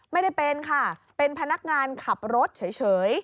ไม่ได้เป็นค่ะเป็นพนักงานขับรถเฉย